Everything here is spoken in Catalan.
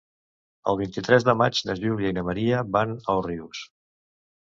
El vint-i-tres de maig na Júlia i na Maria van a Òrrius.